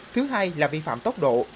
thứ hai là vi phạm tốc độ